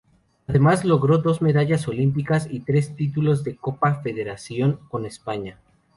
Además, logró dos medallas olímpicas y tres títulos de Copa Federación con España.